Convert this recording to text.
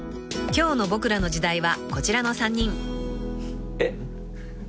［今日の『ボクらの時代』はこちらの３人］えっ？